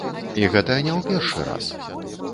І гэта не ў першы раз.